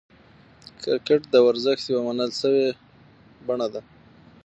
کرکټ د ورزش یوه منل سوې بڼه ده.